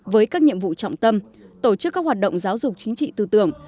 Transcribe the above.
với các nhiệm vụ trọng tâm tổ chức các hoạt động giáo dục chính trị tư tưởng